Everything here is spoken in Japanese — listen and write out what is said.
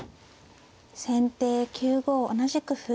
先手９五同じく歩。